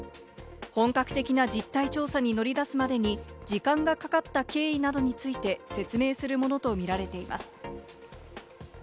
本格的な実態調査に乗り出すまでに時間がかかった経緯などについて説明するものとみられています。